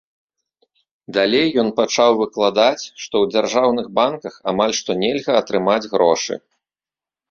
Далей ён пачаў выкладаць, што ў дзяржаўных банках амаль што нельга атрымаць грошы.